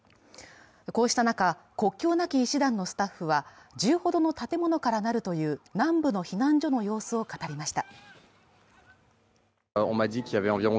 こうした中、国境なき医師団のスタッフは１０ほどの建物から成るという南部の避難所の様子を語りました。